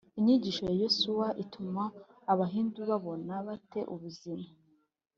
inyigisho ya yosuwa ituma abahindu babona bate ubuzima?